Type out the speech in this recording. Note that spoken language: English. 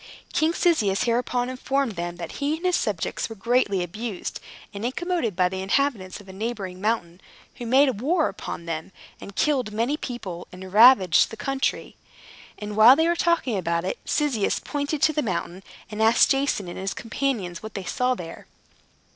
King Cyzicus hereupon informed them that he and his subjects were greatly abused and incommoded by the inhabitants of a neighboring mountain, who made war upon them, and killed many people, and ravaged the country. And while they were talking about it, Cyzicus pointed to the mountain, and asked Jason and his companions what they saw there.